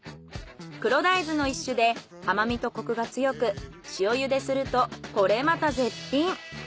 黒大豆の一種で甘みとコクが強く塩ゆでするとこれまた絶品。